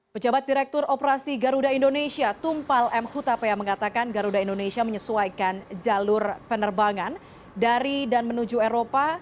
pejabat direktur operasi garuda indonesia tumpal m hutapea mengatakan garuda indonesia menyesuaikan jalur penerbangan dari dan menuju eropa